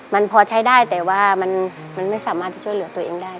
มันพอใช้ได้แต่ว่ามันไม่สามารถที่ช่วยเหลือตัวเองได้